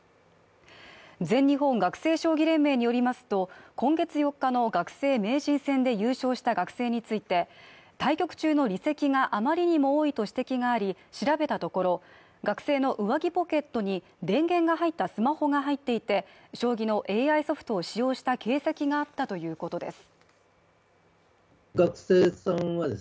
全日本学生将棋連盟によりますと、今月４日の学生名人戦で優勝した学生について、対局中の離席があまりにも多いと指摘があり、調べたところ、学生の上着ポケットに電源が入ったスマホが入っていて、将棋のＡＩソフトを使用した形跡があったということです。